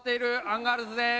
アンガールズです。